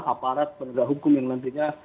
aparat penegak hukum yang nantinya